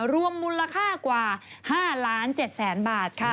รวมมูลค่ากว่า๕ล้าน๗แสนบาทค่ะ